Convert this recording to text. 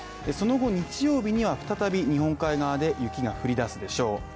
その後日曜日には再び日本海側で雪が降り出すでしょう。